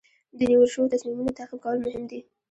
د نیول شوو تصمیمونو تعقیب کول مهم دي.